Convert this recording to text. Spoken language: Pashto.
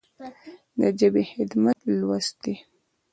د ژبې خدمت لوست دی.